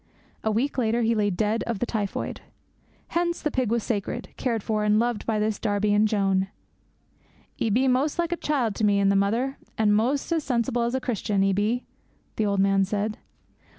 A week later he lay dead of the typhoid. Hence the pig was sacred, cared for, and loved by this Darby and Joan. '"'E be mos' like a child to me and the mother, an' mos' as sensible as a Christian, 'e be," the old man said.'